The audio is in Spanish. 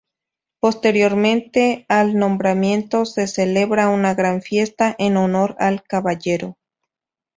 Posteriormente al nombramiento se celebra una gran fiesta en honor al caballero.